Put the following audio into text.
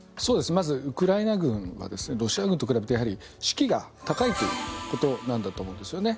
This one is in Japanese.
まず、ウクライナ軍はロシア軍と比べて士気が高いということなんだと思うんですよね。